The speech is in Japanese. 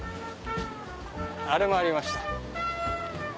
あれもありました。